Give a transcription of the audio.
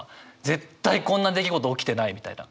絶対こんな出来事起きてないみたいな。